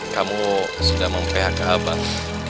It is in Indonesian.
kamu sudah mempihak ke abang